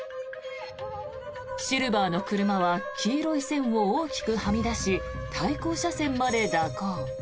シルバーの車は黄色い線を大きくはみ出し対向車線まで蛇行。